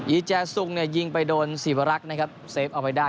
แจซุงเนี่ยยิงไปโดนสิวรักษ์นะครับเซฟเอาไว้ได้